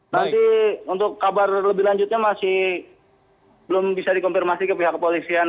nanti untuk kabar lebih lanjutnya masih belum bisa dikonfirmasi ke pihak kepolisian